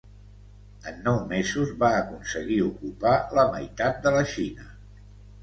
En nou mesos, va aconseguir ocupar la meitat de la Xina.